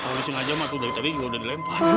kalau disengaja mah tuh dari tadi juga udah dilemput